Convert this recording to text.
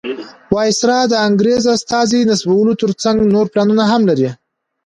وایسرا د انګریز استازي نصبولو تر څنګ نور پلانونه هم لري.